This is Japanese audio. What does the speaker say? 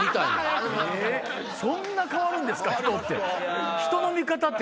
そんな変わるんですか？